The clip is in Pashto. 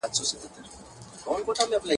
o چي کلی په نامه لري، يو خوى تر نورو ښه لري.